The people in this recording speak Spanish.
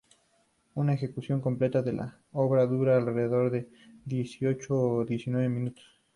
Una ejecución completa de la obra dura alrededor de dieciocho o diecinueve minutos.